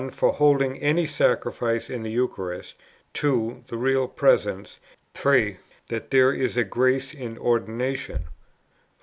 For holding any Sacrifice in the Eucharist. 2. The Real Presence. 3. That there is a grace in Ordination.